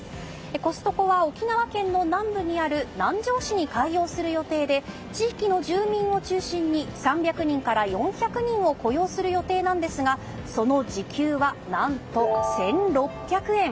コストコは沖縄県の南部にある南城市に開業する予定で地域の住民を中心に３００人から４００人を雇用する予定なんですがその時給は何と、１６００円。